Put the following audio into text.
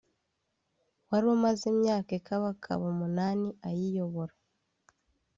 wari umaze imyaka ikabakaba umunani ayiyobora